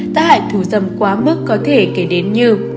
tá hại thù dâm quá mức có thể kể đến như